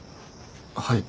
はい。